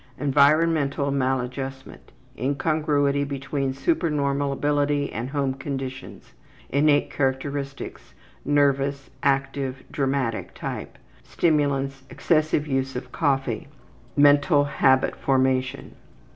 Environmental maladjustment: Case 10. incongruity between Boy, age 14 yrs. supernormal ability and home conditions. Innate characteristics: nervous, active, dramatic type. Stimulants: excessive use of coffee. Mental habit formation.